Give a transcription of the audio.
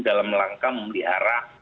dalam langkah memelihara